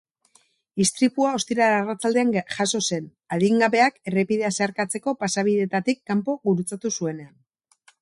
Istripua ostiral arratsaldean jazo zen, adingabeak errepidea zeharkatzeko pasabideetatik kanpo gurutzatu zuenean.